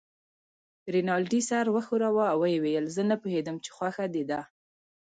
رینالډي سر و ښوراوه او ویې ویل: زه نه پوهېدم چې خوښه دې ده.